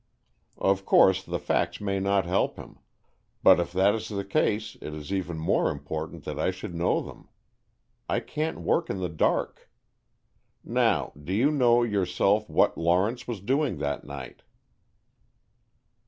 Of course, the facts may not help him, but if that is the case it is even more important that I should know them. I can't work in the dark. Now, do you know, yourself, what Lawrence was doing that night?"